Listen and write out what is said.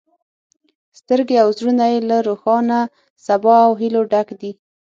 سترګې او زړونه یې له روښانه سبا له هیلو ډک دي.